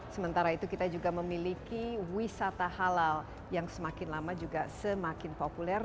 sementara itu kita juga memiliki wisata halal yang semakin lama juga semakin populer